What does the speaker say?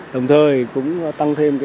đồng thời cũng tăng thêm